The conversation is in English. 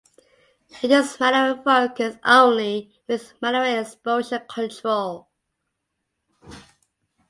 It is manual-focus-only, with manual exposure control.